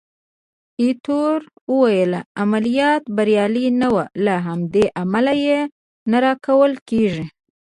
ایټور وویل: عملیات بریالي نه وو، له همدې امله یې نه راکول کېږي.